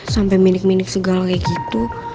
sampai minik minik segala kayak gitu